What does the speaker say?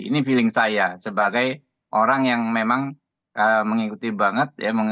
ini feeling saya sebagai orang yang memang mengikuti banget